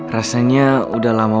rasanya udah lama